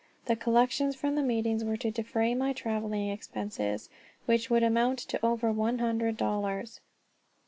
The collections from the meetings were to defray my traveling expenses, which would amount to over one hundred dollars.